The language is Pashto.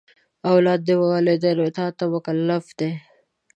اولاد د والدینو اطاعت ته مکلف دی.